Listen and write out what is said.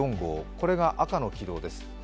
これが赤の軌道です。